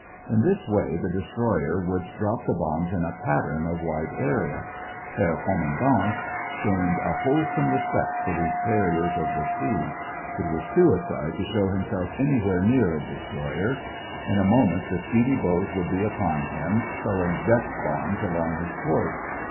In this way the destroyer could drop the bombs in a "pattern" of wide area. Herr Kommandant gained a wholesome respect for these terriers of the sea. It was suicide to show himself anywhere near a destroyer. In a moment the speedy boat would be upon him, sowing depth bombs along his course.